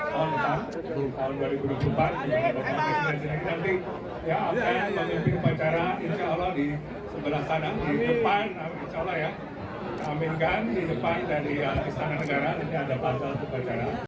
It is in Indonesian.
pertama dikonsultasi yang terakhir di jalan sumbu kebangsaan barat ikai nusantara di jalan sumbu kebangsaan barat ikai nusantara